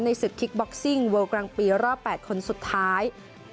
ศึกคิกบ็อกซิ่งเวิลกลางปีรอบ๘คนสุดท้าย